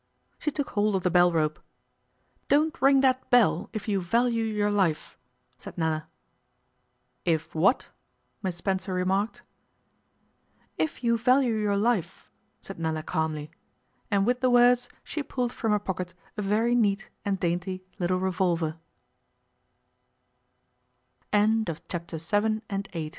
She took hold of the bell rope. 'Don't ring that bell if you value your life,' said Nella. 'If what?' Miss Spencer remarked. 'If you value your life,' said Nella calmly, and with the words she pulled from her pocket a very neat and dainty little